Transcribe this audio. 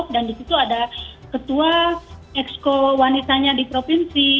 dan disitu ada ketua eksko wanitanya di provinsi